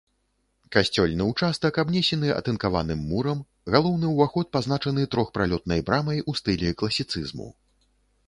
Касцёльны ўчастак абнесены атынкаваным мурам, галоўны ўваход пазначаны трохпралётнай брамай у стылі класіцызму.